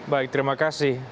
baik terima kasih